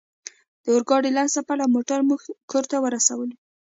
د اورګاډي لنډ سفر او موټر موږ کور ته ورسولو